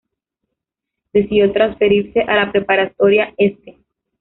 Decidió transferirse a la Preparatoria St.